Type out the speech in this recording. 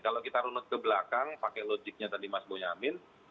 kalau kita runut ke belakang pakai logiknya tadi mas bonyamin